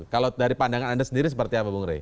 kalau dari pandangan anda sendiri seperti apa bung rey